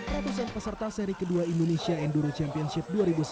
ratusan peserta seri kedua indonesia enduro championship dua ribu sembilan belas